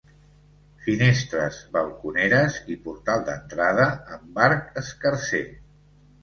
Finestres balconeres i portal d'entrada amb arc escarser.